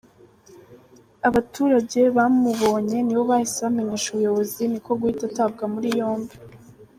Abaturage bamubonye nibo bahise bamenyesha ubuyobozi niko guhita atabwa muri yombi.